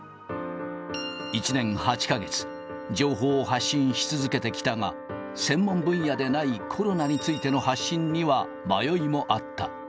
１年８か月、情報を発信し続けてきたが、専門分野でないコロナについての発信には迷いもあった。